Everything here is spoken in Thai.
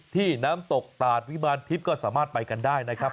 น้ำตกตาดวิมารทิพย์ก็สามารถไปกันได้นะครับ